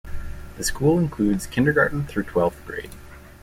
The school includes kindergarten through twelfth grade.